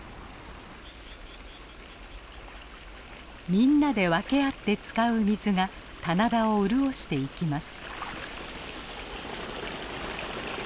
みんなで分け合って使う水が棚田を潤していきます。